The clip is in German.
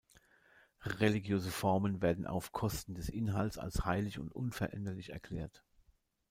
Religiöse Formen werden auf Kosten des Inhalts als heilig und unveränderlich erklärt.